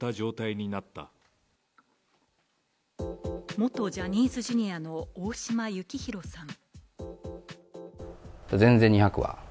元ジャニーズＪｒ．の大島幸広さん。